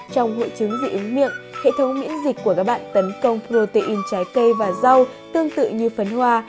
trong hội chứng dị ứng miệng hệ thống miễn dịch của các bạn tấn công protein trái cây và rau tương tự như phấn hoa